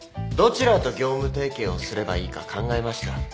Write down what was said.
どちらと業務提携をすればいいか考えました。